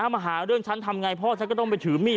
มาหาเรื่องฉันทำไงพ่อฉันก็ต้องไปถือมีด